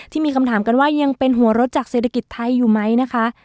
ที่มีคำถามกันว่ายังเป็นหัวรถจากเศรษฐกิจไทยอยู่ไหมนะคะ